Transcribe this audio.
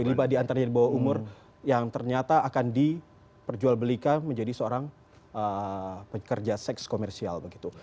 dibadi antaranya di bawah umur yang ternyata akan diperjual belikan menjadi seorang pekerja seks komersial